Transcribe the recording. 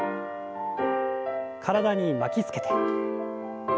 体に巻きつけて。